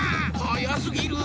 はやすぎる！